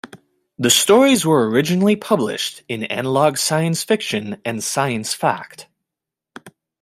The stories were originally published in "Analog Science Fiction and Science Fact".